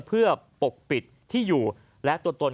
เพื่อปกปิดที่อยู่และตัวตน